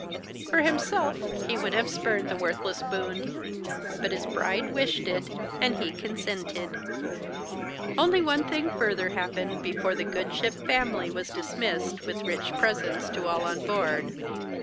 For himself he would have spurned the worthless boon; but his bride wished it, and he consented. Only one thing further happened before the good ship 'Family' was dismissed, with rich presents to all on board.